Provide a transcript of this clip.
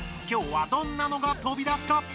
今日はどんなのがとび出すか？